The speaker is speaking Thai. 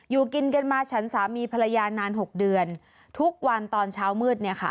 อยู่กินกันมาฉันสามีภรรยานาน๖เดือนทุกวันตอนเช้ามืด